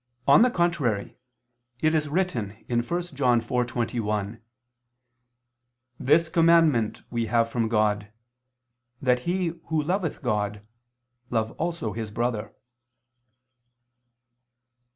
On the contrary, It is written (1 John 4:21): "This commandment we have from God, that he, who loveth God, love also his brother."